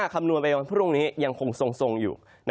คำนวณไปวันพรุ่งนี้ยังคงทรงอยู่